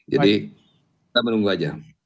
jadi kita menunggu aja